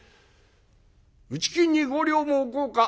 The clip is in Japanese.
「内金に５両も置こうか？」。